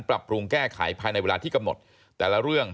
ปรับปรุงแก้ไขภายในเวลาที่กำหนดแต่ละเรื่อง